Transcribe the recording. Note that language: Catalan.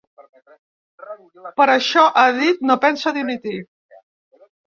Per això, ha dit, no pensa dimitir.